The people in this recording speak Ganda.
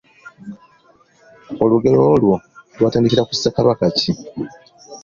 Olugero olwo lwatandikira ku Ssekabaka ki?